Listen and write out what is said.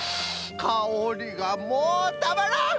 かおりがもうたまらん！